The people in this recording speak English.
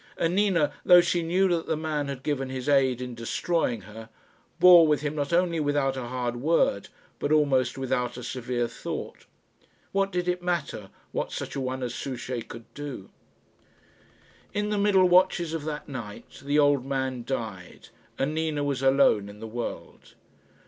And Nina, though she knew that the man had given his aid in destroying her, bore with him not only without a hard word, but almost without a severe thought. What did it matter what such a one as Souchey could do? In the middle watches of that night the old man died, and Nina was alone in the world.